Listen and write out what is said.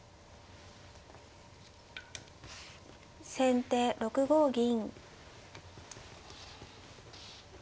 先手６五銀。